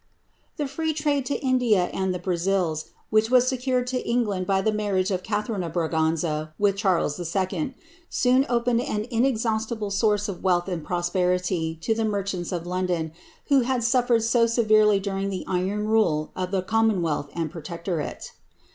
The free tilde to India and the Brazils, which was secured to England by the nul^ riage of Catharine of Bmg anza with Charles II., soon opened an inex* hnnstible source of wealth and prosperity to the merchants of London, uh.o had sufl^red so severely during the iron rule of the commonwedth and protectorate.